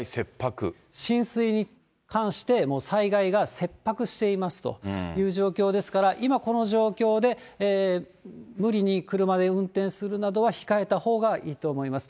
浸水に関して、もう災害が切迫していますという状況ですから、今、この状況で無理に車で運転するなどは控えたほうがいいと思います。